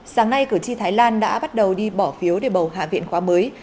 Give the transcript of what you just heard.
sáng nay cử tri thái lan đã bắt đầu đi bỏ phiếu để bầu hạ viện khóa mới